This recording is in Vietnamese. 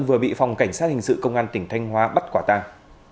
vừa bị phòng cảnh sát hình sự công an tỉnh thanh hóa bắt quả tàng